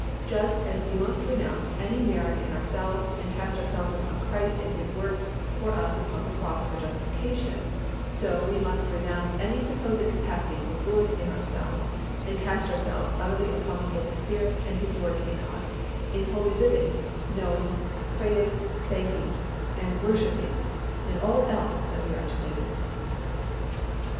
Just as we must renounce any merit in ourselves and cast ourselves upon Christ and His work for us upon the cross for justification, just so we must renounce any supposed capacity for good in ourselves and cast ourselves utterly upon the Holy Spirit and His work in us, in holy living, knowing, praying, thanking and worshipping and all else that we are to do.